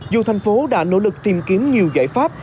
dù thành phố đã nỗ lực tìm kiếm nhiều giải pháp